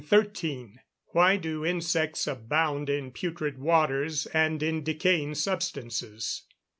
_Why do insects abound in putrid waters, and in decaying substances?